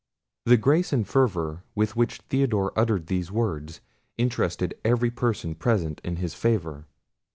The grace and fervour with which Theodore uttered these words interested every person present in his favour.